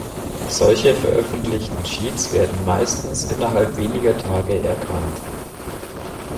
Solche veröffentlichten Cheats werden meistens innerhalb weniger Tage erkannt.